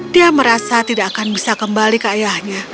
dia merasa tidak akan bisa kembali ke ayahnya